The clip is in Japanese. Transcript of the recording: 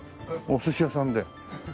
お寿司屋さんで。